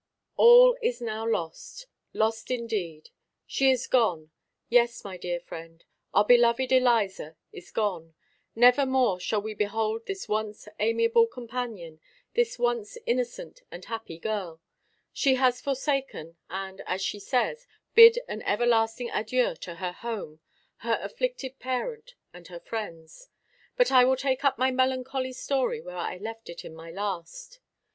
All is now lost; lost indeed! She is gone! Yes, my dear friend, our beloved Eliza is gone! Never more shall we behold this once amiable companion, this once innocent and happy girl. She has forsaken, and, as she says, bid an everlasting adieu to her home, her afflicted parent, and her friends. But I will take up my melancholy story where I left it in my last.